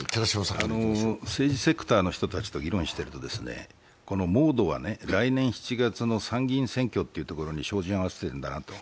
政治セクターの人たちと議論をしているとモードは来年７月の参議院選挙に照準を合わせてるんだなと。